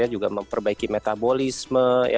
juga memperbaiki metabolisme